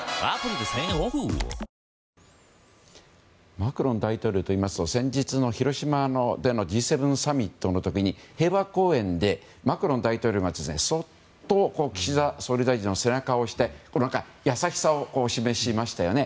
マクロン大統領といいますと先日の広島でのＧ７サミットの時に平和公園でマクロン大統領がそっと岸田総理大臣の背中を押して優しさを示しましたよね。